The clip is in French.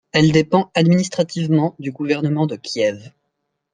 Elle dépend administrativement du gouvernement de Kiev.